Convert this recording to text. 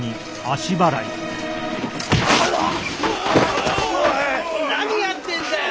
おい何やってんだよ！